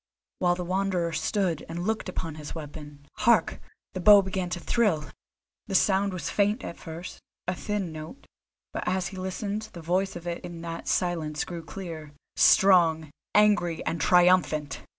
While the Wanderer stood and looked on his weapon, hark! the bow began to thrill! The sound was faint at first, a thin note, but as he listened the voice of it in that silence grew clear, strong, angry and triumphant.